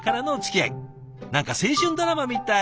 何か青春ドラマみたい！